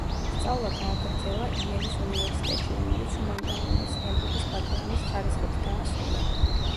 სწავლა გააგრძელა იელის უნივერსიტეტში, რომელიც ჰუმანიტარული მეცნიერებების ბაკალავრის ხარისხით დაასრულა.